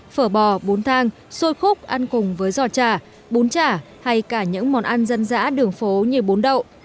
phở bò bún thang xôi khúc ăn cùng với giò trà bún trà hay cả những món ăn dân dã đường phố như bún đậu